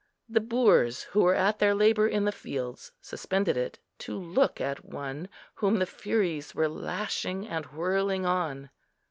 The boors who were at their labour in the fields suspended it, to look at one whom the Furies were lashing and whirling on.